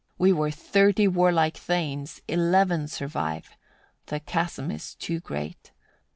We were thirty warlike thanes, eleven survive: the chasm is too great.